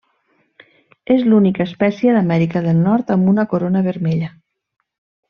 És l'única espècie d'Amèrica del Nord amb una corona vermella.